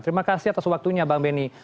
terima kasih atas waktunya bang benny